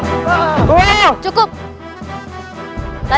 kita harus berhenti dan berhenti lagi